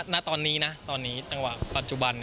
ณตอนนี้นะตอนนี้จังหวะปัจจุบัน